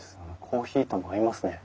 コーヒーとも合いますね。